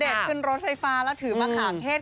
ณเดชน์ขึ้นรถไฟฟ้าและถึงมหาเทศ